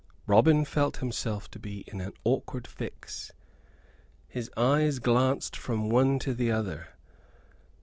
Robin felt himself to be in an awkward fix. His eyes glanced from one to the other.